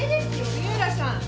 杉浦さん！